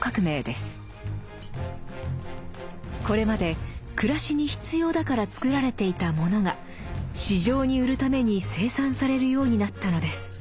これまで暮らしに必要だから作られていたものが市場に売るために生産されるようになったのです。